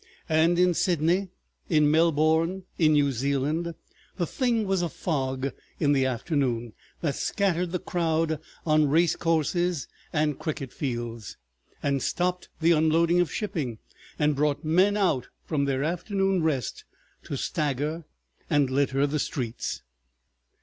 And in Sydney, in Melbourne, in New Zealand, the thing was a fog in the afternoon, that scattered the crowd on race courses and cricket fields, and stopped the unloading of shipping and brought men out from their afternoon rest to stagger and litter the streets.